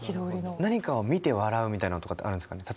何かを見て笑うみたいなのとかってあるんですかね？